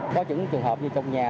có những trường hợp như trong nhà